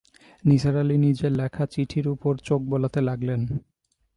নিসার আলি নিজের লেখা চিঠির উপর চোখ বোলাতে লাগলেন।